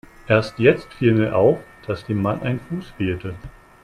Erst jetzt fiel mir auf, dass dem Mann ein Fuß fehlte.